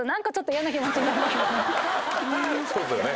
そうですよね。